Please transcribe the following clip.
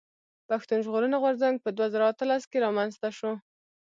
پښتون ژغورني غورځنګ په دوه زره اتلس کښي رامنځته شو.